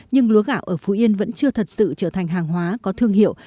nhưng lúa gạo ở phú yên vẫn chưa thật sự trở thành hàng hóa có thương hiệu